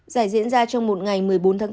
giải diễn ra trong một ngày một mươi bốn tháng bốn